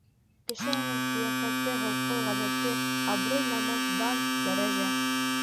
Кеше, уның ҡиәфәте, холҡо, ғәҙәте; абруй, намыҫ, дан, дәрәжә